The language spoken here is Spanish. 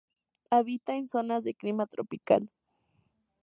Habita en zonas de clima tropical.